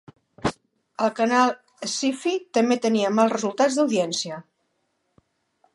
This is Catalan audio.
El canal SciFi també tenia mals resultats d'audiència.